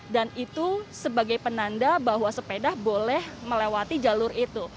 itu sebagai penanda bahwa sepeda boleh melewati jalur itu